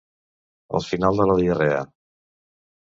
El final de la diarrea.